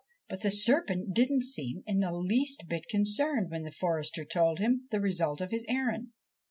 But the serpent didn't seem in the least bit concerned when the forester told him the result of his errand.